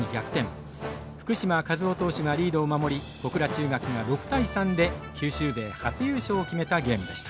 福嶋一雄投手がリードを守り小倉中学が６対３で九州勢初優勝を決めたゲームでした。